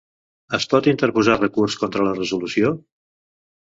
Es pot interposar recurs contra la resolució?